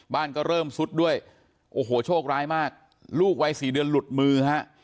บ้านก็เริ่มซุดด้วยโอ้โหโชคร้ายมากลูกวัยสี่เดือนหลุดมือฮะ